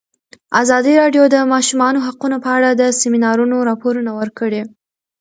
ازادي راډیو د د ماشومانو حقونه په اړه د سیمینارونو راپورونه ورکړي.